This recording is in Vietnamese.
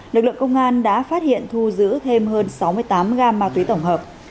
lực lượng công an đã phát hiện thu giữ thêm hơn sáu mươi tám gam ma túy tổng hợp